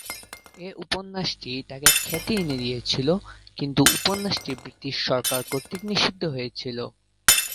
এ উপন্যাসটি তাঁকে খ্যাতি এনে দিয়েছিল, কিন্তু উপন্যাসটি ব্রিটিশ সরকার কর্তৃক নিষিদ্ধ হয়েছিল।